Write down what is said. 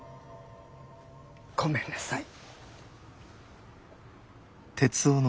ごめんなさい。